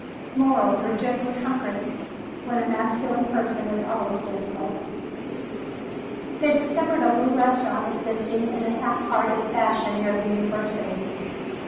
Moreover, Dick was hungry, when a masculine person is always difficult. They discovered a little restaurant existing in a half hearted fashion near the University.